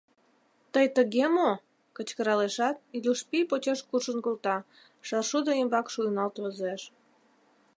— Тый тыге мо? — кычкыралешат, Илюш пий почеш куржын колта, шаршудо ӱмбак шуйналт возеш.